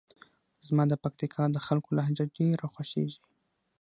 زما د پکتیکا د خلکو لهجه ډېره خوښیږي.